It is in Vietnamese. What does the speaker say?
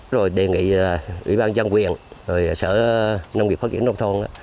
rồi đề nghị ủy ban dân quyền rồi sở nông nghiệp phát triển nông thôn